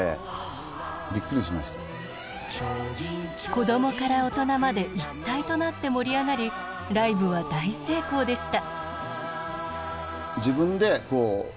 子供から大人まで一体となって盛り上がりライブは大成功でした。